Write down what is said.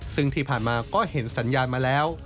ซึ่งที่ผ่านมาก็เห็นสัญญาณมาแล้ว